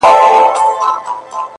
دغه نجلۍ نن و هيندارې ته موسکا ورکوي _